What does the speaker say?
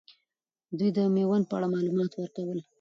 دوي د میوند په اړه معلومات ورکول.